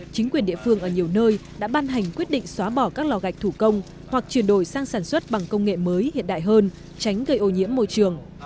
chính quyền địa phương ở nhiều nơi đã ban hành quyết định xóa bỏ các lò gạch thủ công hoặc chuyển đổi sang sản xuất bằng công nghệ mới hiện đại hơn tránh gây ô nhiễm môi trường